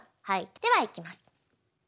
ではいきます。